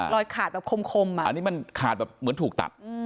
ขาดแบบคมอ่ะอันนี้มันขาดแบบเหมือนถูกตัด